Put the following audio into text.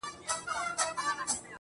وهر يو رگ ته يې د ميني کليمه وښايه,